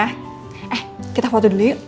eh kita foto dulu yuk